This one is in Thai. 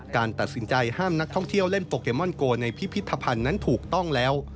การตัดสินใจห้ามนักท่องเที่ยวเล่นโปเกมอนโกในพิพิธภัณฑ์นั้นถูกต้องแล้ว